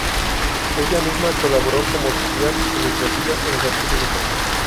Ella misma colaboró como auxiliar administrativa en los archivos locales.